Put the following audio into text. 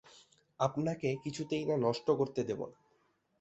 আপনাকে কিছুতেই তা নষ্ট করতে দেব না।